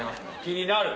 気になる。